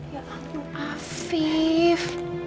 ya ampun afif